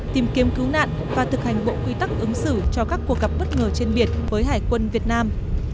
tìm kiếm cứu nạn và thực hành bộ quy tắc ứng xử cho các cuộc gặp bất ngờ trên biển với hải quân việt nam